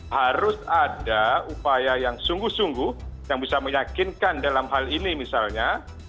harus ada upaya yang sungguh sungguh yang bisa meyakinkan dalam hal ini misalnya